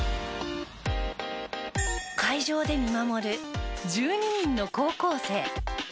会場で見守る１２人の高校生。